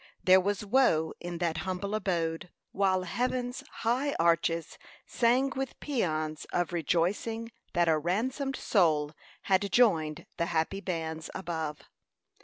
There was woe in that humble abode, while heaven's high arches rang with pæans of rejoicing that a ransomed soul had joined the happy bands above.